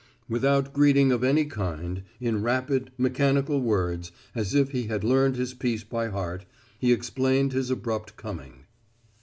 Without greeting of any kind, in rapid, mechanical words, as if he had learned his piece by heart, he explained his abrupt coming.